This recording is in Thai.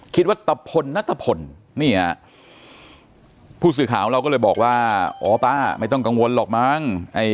ตะพลนัตตะพลเนี่ยผู้สื่อข่าวเราก็เลยบอกว่าอ๋อป้าไม่ต้องกังวลหรอกมั้ง